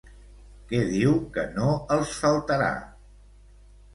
Què diu que no els faltarà?